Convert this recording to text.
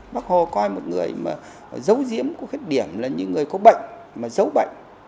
bác hồ coi một người mà giấu giếm khuyết điểm là như người có bệnh mà giấu bệnh